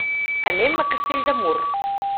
Anem a Castell de Mur.